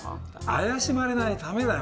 怪しまれないためだよ。